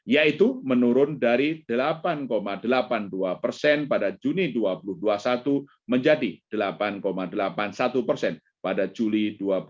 yaitu menurun dari delapan delapan puluh dua persen pada juni dua ribu dua puluh satu menjadi delapan delapan puluh satu persen pada juli dua ribu dua puluh